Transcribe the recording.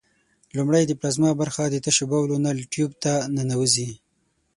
لومړی د پلازما برخه د تشو بولو نل ټیوب ته ننوزي.